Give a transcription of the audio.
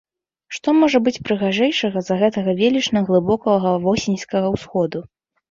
Што можа быць прыгажэйшага за гэтага велічна глыбокага восеньскага ўсходу?